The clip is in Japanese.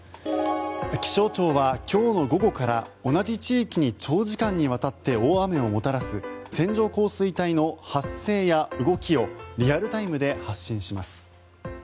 気象庁は今日の午後から同じ地域に長時間にわたって大雨をもたらす線状降水帯の発生や動きをリアルタイムで発信します。